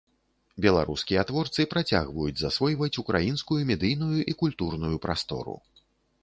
Беларускія творцы працягваюць засвойваць украінскую медыйную і культурную прастору.